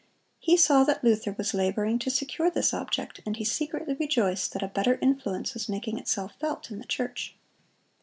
He saw that Luther was laboring to secure this object, and he secretly rejoiced that a better influence was making itself felt in the church.